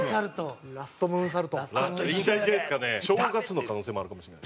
正月の可能性もあるかもしれない。